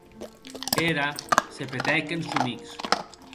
Era se petèc en somics.